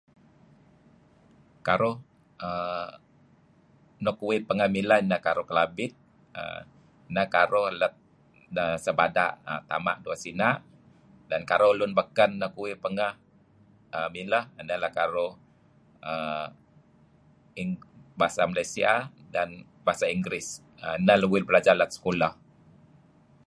Karuh uhm nuk uih pangeh mileh nekaruh Kelabit, nekaruh lat nah sebada' ngen Tama' diweh Sina', dan karuh lun baken tak uih pangeh mileh neh uih karuh Bahasa Malaysia dan Bahasa Inggris. Ineh uh belajar lem sekolah.